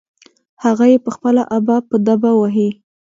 هغه يې په خپله ابه په دبه وهي.